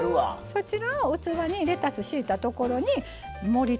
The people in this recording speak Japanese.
そちらを器にレタス敷いたところに盛りつけて。